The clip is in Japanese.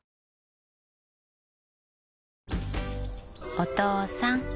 お父さん。